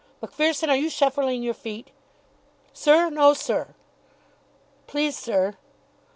Macpherson, are you shuffling your feet?" "Sir, no, sir." "Please, sir."